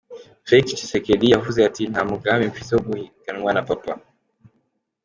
Felix Tshiskedi yavuze ati: "Nta mugambi mfise wo guhiganwa na papa.